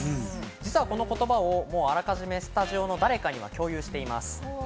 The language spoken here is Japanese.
実はこの言葉をあらかじめスタジオの誰かには共有しています。